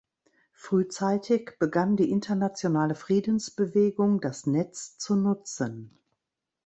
Frühzeitig begann die internationale Friedensbewegung das Netz zu nutzen.